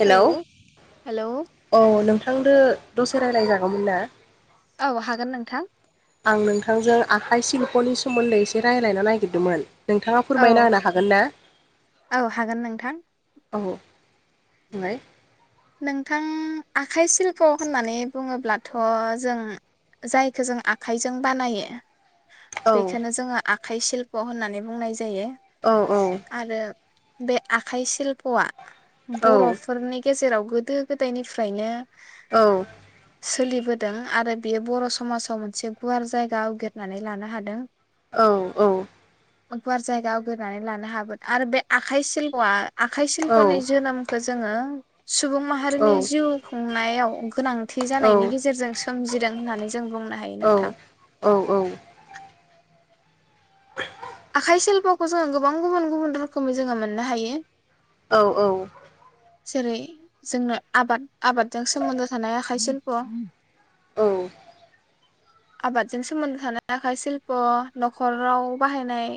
Hello hello औ नोंथांदो दसे रायलायजागौमोन ना? औ हागोन नोंथां। आं नोंथांजों आखाइ सिल्पनि सोमोन्दै एसे रायलायन नागिरदोंमोन। नोंथाङा औ फोरमायना होनो हागोन ना? औ हागोन नोंथां। औ ओमफाय नोंथां आखाइ सिल्प' होननानै बुङोब्लाथ' जों जायखौ जों आखाइजों बानायो औ बेखौनो जोङो आ खाइ शिल्प' होननानै बुंनाय जायो। औ औ आरो बे आखाइ सिल्प'आ औ बर'फोरनि गेजेराव गोदो गोदायनिफ्रायनो औ। सोलिबोदों आरो बेयो बर' समाजाव मोनसे गुवार जायगा आवग्रिनानै लानो हादों। औ औ। गुवार जायगा आवग्रिनानै लानो हाबोदों आरो बे आखाइ सिलप'आ आखाइ सिल्प'नि जोनोमखौ जोङो सुबुं माहारिनि जिउ खुंनायाव गोनांथि जानायनि गेजेरजों सोमजिदों होननानै जों बुंनो हायो नोंथां। आखाइ सिल्प'खौ जोङो गोबां गुबुन गुबुन रोखोमै जोङो मोननो हायो। औ औ। जेरै जोंनो आबाद आबादजों सोमोन्दो थानाय आखाइ सिल्प' औ। आबादजों सोमोन्दो थानाय आखाइ सिल्प' न'खराव बाहायनाय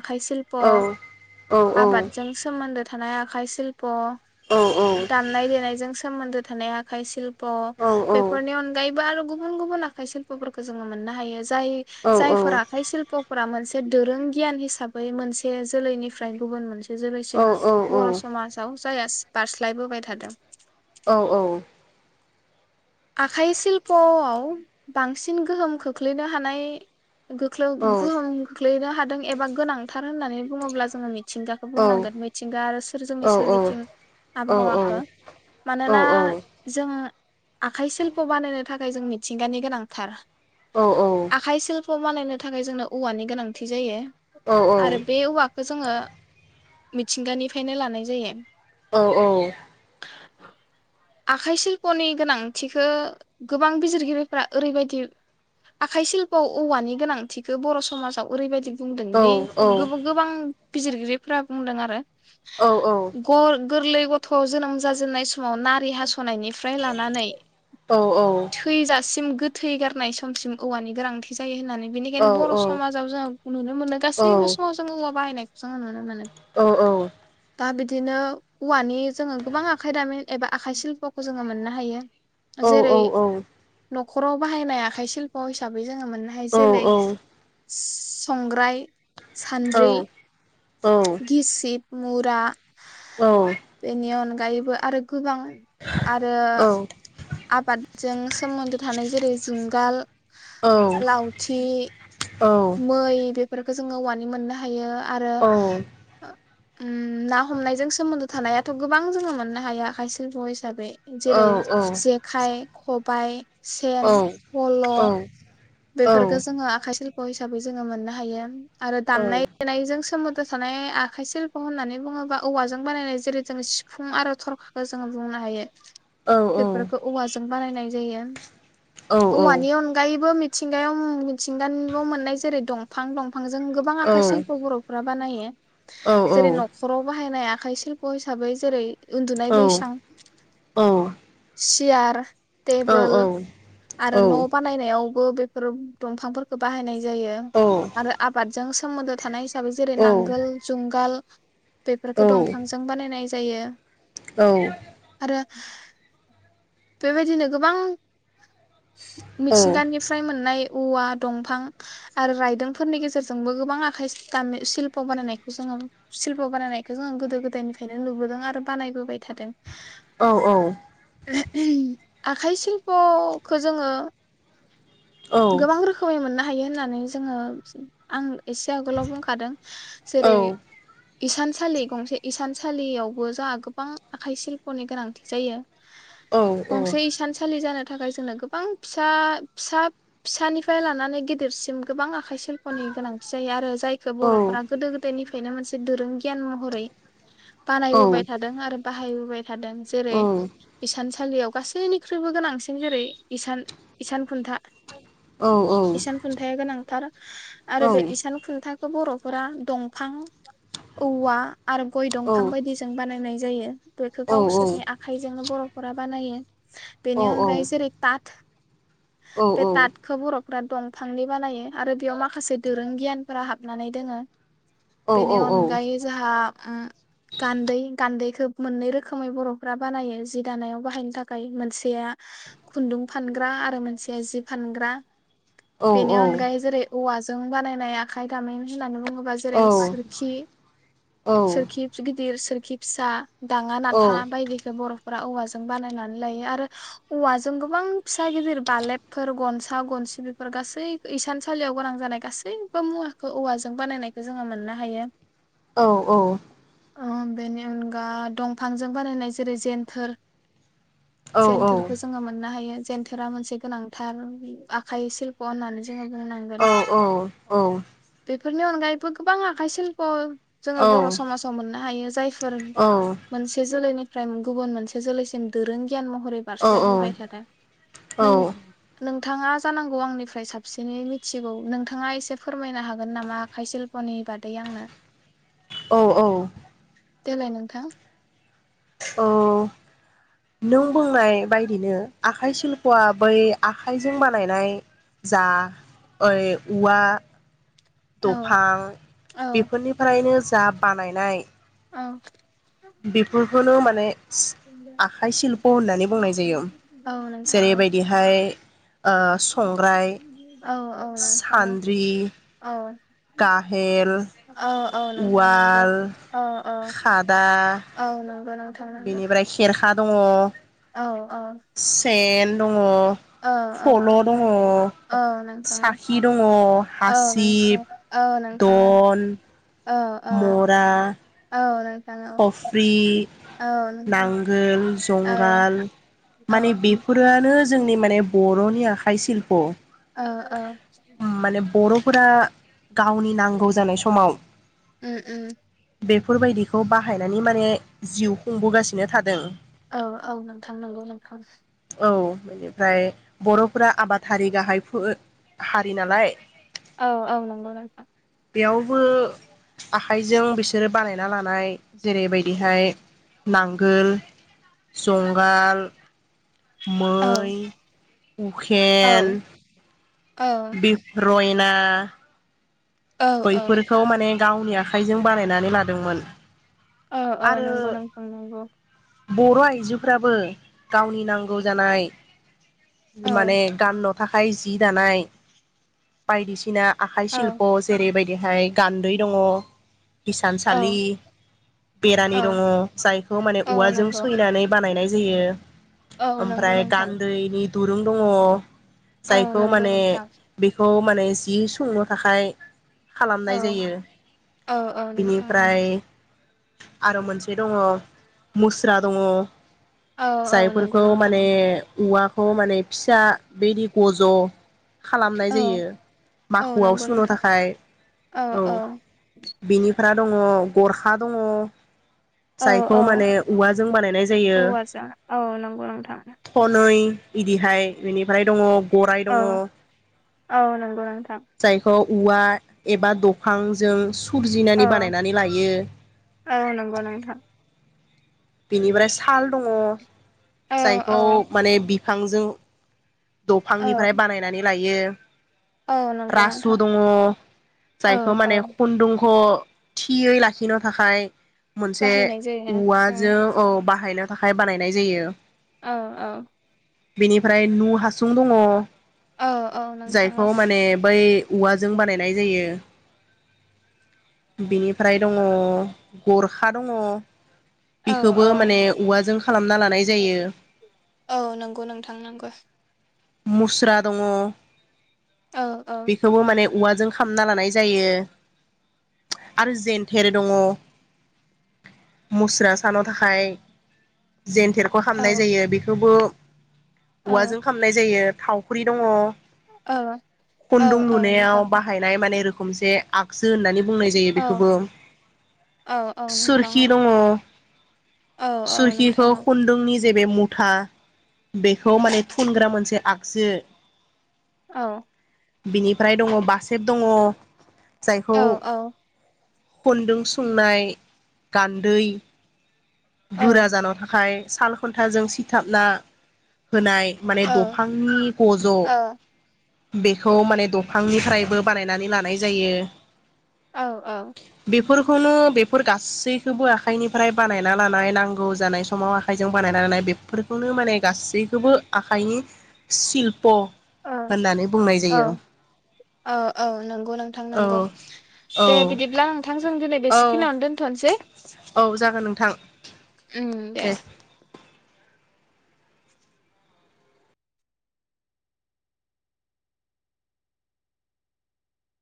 आखाइ सिल्प, ' आबादजों सोमोन्दो थानाय आखाइ सिल्प' दामनाय देनायजों सोमोन्दो थानाय आखाइ सिल प' बेेफोरनि अनगायैबो आरो गुबुन गुबुन आखाइ शिल्प'फोरखौ जोङो मोननो हायो जाय जायफोरा आखाइ शिल्प'फोरा मोनसे दोरों गियान हिसाबै मोनसे जोलैनिफ्राय गुबुन मोनसे जोलैसिम बर' समाजाव [unintelligible] बारस्लाय बोबाय थादों। औ औ। आखाइ सिल्प'आव बांसिन गोहोम खोख्लैनो हानाय गोख्लोम गोहोम खोख्लैनो हादों एबा गोनांथार होननानै बुङोब्ला जोङो मिथिंगाखौ बुंनांगोन मिथिंगा आरो जोंनि सोरगिदिं सोरबिथिं आबहावाखौ मानोना जों आखाइ सिल्प' बानायनो थाखाय जों मिथिंगानि गोनांथार। औ औ खौ बानायनो थाखाय जोंनो औवानि गोनांथि जायो आरो बे औवाखौ खो जोङो मिथिंगानिफ्रायनो लानाय जायो औ औ [inaudible] आखाइ सिल्पनि गोनांथिखो गोबां बिजिरगिरिफ्रा ओरैबायदि आखाइ सिल्पआव औवानि गोनांथिखौ बर' समाजाव ओरैबायदि बुंदोंदि जों गोबो गोबां बिजिरगिरिफोरा बुंदों आरो औ औ ग गोरलै गथ' जोनोम जाजेननाय समाव ना रैहास नायनिफ्राय लानानै थैजासिम गोथ थै गारनाय समसिम औवानि गोनांथि जायो होननानै बेनिखायनो बर' समाजाव जों नुनो मोनो गासैबो समाव जों औवा बाहायनाय औ औ दा बिदिनो औवानि जोङो गोबां आखायदामिन एबा आखाइ सिल्प'खौ जोङो मोननो हायो औ जेरै औ औ न'खराव बाहायनाय आखाइशिल्प हिसाबै जोङो मोननो हायो जेरै संग्राय सानद्रै गिसिब मुरा बेनि अनग गायोबो आरो गोबां आरो आबादजों सोमोन्दो थानाय जेरै जुम गाल लावथि मै बेफ बेफोरखो जोङो औवानि मोननो हायो। आरो ओम ना हमनायजों सोमोन्दो थानायाथ गोबां जोङो मोननो हायो आखाइ सिल्प हिसाबै। औ औ। जेखाय खब बाय सेन, फल' बेफोरखो जोंङो आखा शिल्प' हिसाबै जोङो मोननो हायो आरो दामनाय देनायजों सोमोन [unintelligible] थानाय आखाइ शिल्प' होननानै बुङोब्ला औवाजों बानायनाय जेरै जों सिफुं आरो थरखाखौ जोङो बुंनो हायो। बेेफोरखौ औवाजों बानायनाय जायो। औवानि अनगायैबो मिथिंगायाव मिथिंगानियाव मोननाय जेरै दंफां दं। फांजों गोबां आखाइ सल्प' बर'फ्रा बानायो। जेरै न'खराव बाहायनाया आखाइ सिल्प' हिसाबै जेरै उन्दुनाय बैसां इयार टेबोल आरो न' बानायनायाव [unintelligible] [unintelligible] दंफांफोरखौ बाहायनाय जायो आरो आबाद जों सोमोन्दो थानाय हिसाबै जेरै नांगोल, जुंगाल बेफोरखौ दंफांजों बानायनाय जायो। औ। दा [inaudible] बेबायदिनो गोबां मिथिंगानिफ्राय मोननाय औवा दंफां आरो रायदोंफोरनि गेजेरजोंबो गोबां आखाय दाम सिल्प' बानायनायखौ जोङो शिल्प' बानायनायखौ जोङो गोदो गोदायनिफ्रायनो नुबोदों आरो बानायबोबाय थादों। औ औ। आखाइ सिल्प'खो जोङो गोबां रोखोमै मोन हायो होननानै जोङो आं एसे आगोलाव बुंखादों जेरै इसानसालि गंसे इसानसालियावबो जोंहा गोबां आखाइ सिल्प'नि गोनांथि जायो। औ गंसे इसान सालि जानो थाखाय जोंनो गोबां फिसा फिसा फिसानिफ्राय लानानै गिदिरसिम गोबां आख आखाइ सिल्प'नि गोनांथि जायो आरो जायखौ बर'फोरा गोदो गोदायनिफ्राय नो मोनसे दोरों गियान महरै बानायबोबाय थादों आरो बाहायबोबाय थादों जेरै इसान सालियाव गासैनिख्रुइबो गोनांसिन जेरै इसान इसान खुन्था। इसान खुन्थाया गोनांथार। आरो बे इसान खुन्था बर'फोरा दंफां, औवा आरो गय दंफां बायदिजों बानायनाय जायो बेखौ गावसोरनि आखाइजोंनो बर'फोरा बानायो। बेनि अनगायै जेरै तात औ औ तातखो‌ बर' फ्रा दंफांनि बानायो आरो बेयाव माखासे दोरों गियानफोरा हाबनानै दोङो। बेनि अनगायै जोहा गान्दै गान्दैखौ मोननै रोखोमै बर'फ्रा बानायो जि दानायाव बाहायनो थाखाय मोनसेया खुन्दुं फानग्रा आरो मोनसेया जि फानग्रा बेनि अनगायै जेरै औवा जों बानायनाय आखाइ दामिन होननानै बुं जेरै सोरखि सोरखि गिदिर सोरखि फिसा दाङा नाथा बायदिखो बर' रा औवाजों बानायनानै लायो आरो औवाजों गोबां फिसा गिदिर बालेब फोर गनसा गनसि बेफोर गासै इसानसालियाव गोनां जानाय गासैबो मुवाखौ औवाजों बानायनायखौ जोङो मोननो हायो। औ औ। बेनि अनगा दंफांजों बानायनाय जेरै जेेनथोर जेनथोरखौ जोङो मोननो हायो। जेनथोरा मोनसे गोनां थार आखाय सिल्प होननानै जोङो बुंनांगोन औ औ औ। बेफोरनि अनगायैबो गोबां आखाइ सिल्प जोङो औ बर' औ समाजाव मोननो हायो जायफोर मोनसे जोलैनि फ्राय गुबुन मोनसे जोलैसिम दोरों गियान महरै बारस्लायबोबाय थादों नों नोंथाङा जानांगौ आंनिफ्राय साबसिनै मिथिगौ नोंथाङा एसे फोरमायनो हागोन नामा आखाइ सिल्पनि बादै आंनो। औ औ। देलाय नोंथां। औ नों बुंनाय बायदिनो आखाइ सिल्प'आ बै आखाइजों बानायनाय जा ओइ उवा औ दफां औ बेफोरनिफ्रायनो जा बानायनाय औ। बेफोरखौनो माने आखाइ सिल्प' होननानै बुंनाय जायो औ नोंथां जेरैबायदिहाय ओ संग्राय औ औ नोंथां सान्द्रि औ काहेल उवाल अ अ खादा औ नंगौ नों बेनिफ्राय खेर खा दङ औ। औ सेेन दङ। औ औ फल' दङ नोंथां औ साखि नोंथां दङ औ नोंथां हासिब औ नोंथां दन औ औ मरा औ। औ खफ्रि औ नंगौ नांगोल औ जुंगाल औ माने बेफोरानो जोंनि माने बर'नि आखाइ सिल्प'। औ औ। फुरा गावनि नांगौ जानाय समाव उम उम। बेफोरबायदि खौ बाहायनानै माने जिउ खुंबोगासिनो थादों। औ औ नोंथां नंगौ नोंथां। औ बेनिफ्राय बर'फोरा आबादारि गाहाय हारि नालाय। औ औ नंगौ नोंथां। बेयावबो आखाइजों बिसोरो बानायना लानो। जेरैबायदिहाय नांगोल। जंगाल औ मै औ उखेन। [unintelligible] रइना। औ औ बैफोरखौ माने। गावनि आखाइजों बानायनानै लादोंमोन। औ औ आरो नंगौ नंगौ नंगौ। बर आइजोफ्राबो गावनि नांगौ जानाय। औ माने गान नथ थाखाय जि दानाय बायदिसिना। आखाय औ शिलप। बेबायदिहाय गान्दै दङ। औ हिसानसालि बेरानि औ दङ जायखौ माने औ औवाजों नंगौ सैनानै बानायनाय। जोयो। औ नंगौ ओमफ्राय नोंथां गान्दैनि। दुरुं दङ। औ जायखौ नंगौ माने नोंथां बेखौ। माने जि संनो थाखाय। औ खालामनाय जायो औ औ नोंथां नंगौ बिनिफ्राय। आरो मोनसे दङ मुस्रा दङ। औ औ नंगौ जायफोरखौ नोंथां माने। औवाखौ माने फिसा बेदि गज। खालामनाय औ जायो औ माखुआव नंगौ सुनो नोंथां थाखाय। औ औ। फ्रा दङ गरखा दङ। औ जायखौ औ माने औवाजों बानायनाय जायो औवाजों औ नंगौ नोंथां खनै। बिदिहाय बेनिफ्राय दङ। गराइ दङ औ औ नंगौ नोंथां। बेखौ औवा एबा दफांजों सु। फुजिनानै औ बानायनानै लायो। औ नंगौ नोंथां बेनिफ्राय साल दङ। औ जायखौ औ माने बि थांजों औ दफांनिफ्राय बानायनानै लायो। औ बियो नंगौ रासु नोंथां दङ औ जायखौ औ माने खुन्दुं ख' थियै लाखिनो थाखाय मोनसे बाहायनाय जायो उम औवाजों औ बाह हायनो थाखाय बानायनाय जायो। ओ ओं बेनिफ्राय न' हास सुं दङ। औ औ नोंथां जायखौ औ माने बै औवाजों बानायनाय जायो बेनिफ्राय दङ गरखा दङ। बेखौबो औ माने औवाजों खालामना लानाय जायो औ नंगौ नोंथां नंगौ। मुस्रा दङ। औ औ बेखौबो माने औवाजों खामना लानाय जायो आरो जेन्थेर दङ? मुस्रा सानो थाखाय जेेनथेरखौ औ खामनाय जायो। बेखौबो औ औवाजों जायो थावख्रि दङ। औ खुन्दुं औ लुनायाव नोंथां बाहायनाय माने रो खोमसे आगजु होननानै बुंनाय जायो औ बेखौबो औ औ नोंथां सोरखि दङ। औ औ औ सुरखिखौ नोंथां औ खुन्दुंनि जेबे मु था बेखौ माने फुनग्रा मोनसे आगजो औ बिनिफ्राय दङ बासेब दङ। जायखौ औ औ खुन्दुं सुंनाय गान्दै औ गोरा जानो थाखाय। साल खुन्थाजों सिथाबना होनाय माने औ दंफांनि गज' बेखौ माने दंफांनिफ्रायबो बानायनानै लानाय जायो। औ औ बेफोरखौनो बेफोर गासैखौबो आखाइनिफ्राय बानायना लानाय नांगौ जानाय समाव आखाइजों बानायना लानाय बेफोरखौनो माने गासैखौबो आखाइनि शिल्प' औ होननानै बुंनाय औ जायो औ औ नंगौ नोंथां नंगौ औ औ दे बिदिब्ला नोंथांजों दिनै औ बेसेखिनावनो दोनथ'नोसै औ जागोन नोंथां दे।